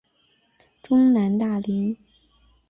中南大羚。